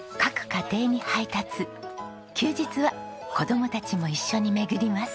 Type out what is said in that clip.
休日は子供たちも一緒に巡ります。